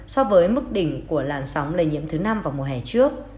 so với mức đỉnh của làn sóng lây nhiễm thứ năm vào mùa hè trước